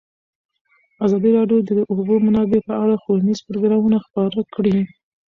ازادي راډیو د د اوبو منابع په اړه ښوونیز پروګرامونه خپاره کړي.